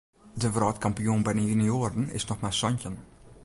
De wrâldkampioen by de junioaren is noch mar santjin.